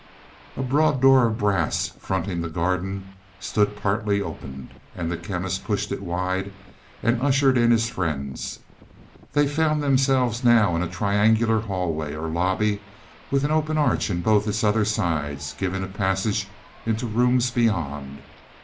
A broad door of brass, fronting the garden, stood partly open, and the Chemist pushed it wide and ushered in his friends. They found themselves now in a triangular hallway, or lobby, with an open arch in both its other sides giving passage into rooms beyond.